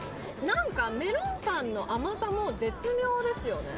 何かメロンパンの甘さも絶妙ですよね